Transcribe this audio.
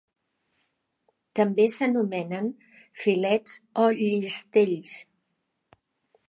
També s'anomenen filets o llistells.